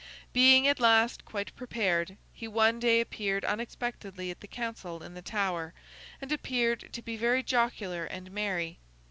Being at last quite prepared, he one day appeared unexpectedly at the council in the Tower, and appeared to be very jocular and merry.